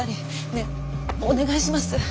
ねえお願いします。